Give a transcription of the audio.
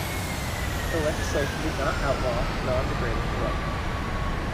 The legislation did not outlaw non-degrading erotica.